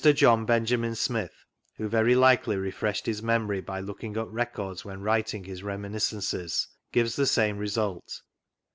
John Benjamin Smith (who very likely refreshed his memory by looking up records when writing his Reminiscences) gives the same result.